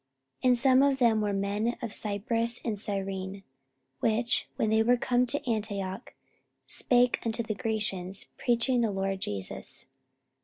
44:011:020 And some of them were men of Cyprus and Cyrene, which, when they were come to Antioch, spake unto the Grecians, preaching the LORD Jesus.